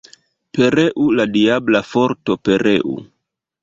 Pereu la diabla forto, pereu!